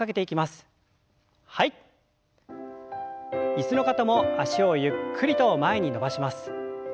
椅子の方も脚をゆっくりと前に伸ばします。